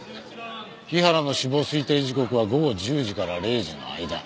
日原の死亡推定時刻は午後１０時から０時の間。